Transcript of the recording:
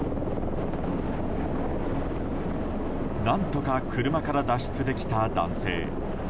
何とか車から脱出できた男性。